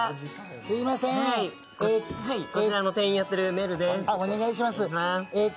すいませんこちらの店員やってるメルです。